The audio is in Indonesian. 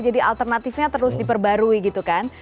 jadi alternatifnya terus diperbarui gitu kan